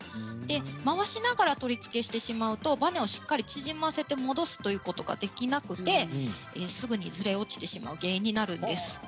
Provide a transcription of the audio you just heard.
回しながら取り付けてしまうとバネをしっかり縮ませて戻すということができなくてすぐにずれ落ちてしまう原因になるんです。